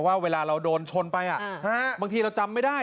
ว่าเวลาเราโดนชนไปบางทีเราจำไม่ได้